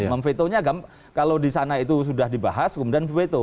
memvetonya kalau disana itu sudah dibahas kemudian memveto